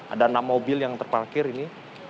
ada enam mobil yang terparkir ini